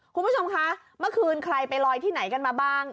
คุณผู้ชมคะเมื่อคืนใครไปลอยที่ไหนกันมาบ้าง